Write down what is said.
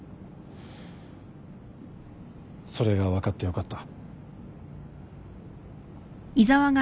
それが分かってよかった。